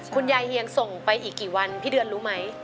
คุณยายเฮียงส่งไปอีกกี่วันพี่เดือนรู้ไหม